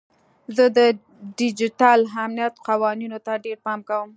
زه د ډیجیټل امنیت قوانینو ته ډیر پام کوم.